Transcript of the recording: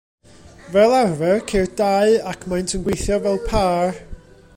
Fel arfer ceir dau, ac maent yn gweithio fel pâr.